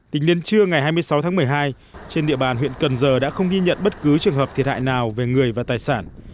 tính đến trưa ngày hai mươi sáu tháng một mươi hai trên địa bàn huyện cần giờ đã không ghi nhận bất cứ trường hợp thiệt hại nào về người và tài sản